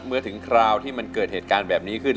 เมื่อถึงคราวที่มันเกิดเหตุการณ์แบบนี้ขึ้น